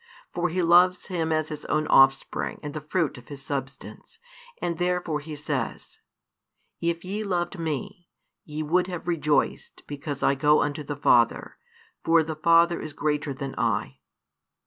For He loves Him as His own Offspring and the fruit of His Substance, and therefore He says, If ye loved Me, ye would have rejoiced because I go unto the Father: for the Father is greater than I.